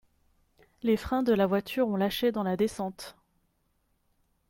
Les freins de la voiture ont lâché dans la descente